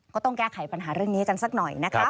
ก็ต้องแก้ไขปัญหาเรื่องนี้กันสักหน่อยนะคะ